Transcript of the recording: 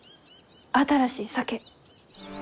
新しい酒。